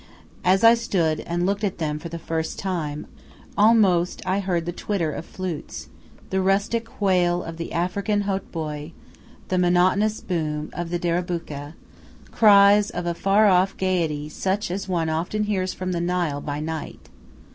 As I stood and looked at them for the first time, almost I heard the twitter of flutes, the rustic wail of the African hautboy, the monotonous boom of the derabukkeh, cries of a far off gaiety such as one often hears from the Nile by night.